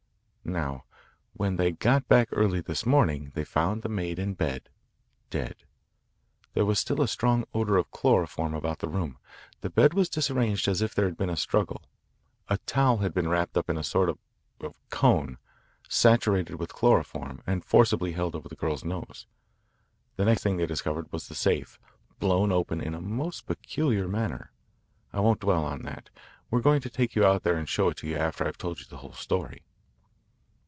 "Now, when they got back early this morning they found the maid in bed dead. There was still a strong odour of chloroform about the room. The bed was disarranged as if there had been a struggle. A towel had been wrapped up in a sort: of cone, saturated with chloroform, and forcibly held over the girl's nose. The next thing they discovered was the safe blown open in a most peculiar manner. I won't dwell on that. We're going to take you out there and show it to you after I've told you the whole story.